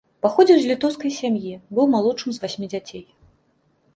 Паходзіў з літоўскай сям'і, быў малодшым з васьмі дзяцей.